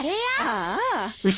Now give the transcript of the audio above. ああ。